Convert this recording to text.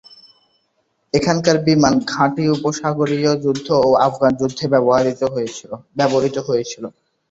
এখানকার বিমান ঘাঁটি উপসাগরীয় যুদ্ধ ও আফগান যুদ্ধে ব্যবহৃত হয়েছিল।